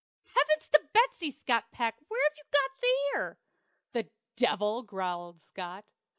"Heaven's to Betsey, Scott Peck! What hev you got theer?" "The devil!" growled Scott.